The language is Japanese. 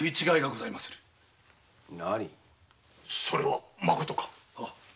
何それはまことか？